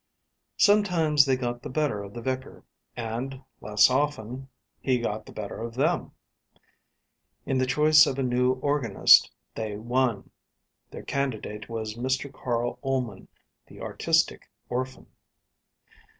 Sometimes they got the better of the vicar, and, less often, he got the better of them. In the choice of a new organist they won. Their candidate was Mr Carl Ullman, the artistic orphan.